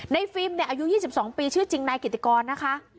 ในฟิล์มอายุ๒๒ปีชื่อจริงนายกิจกรนะคะ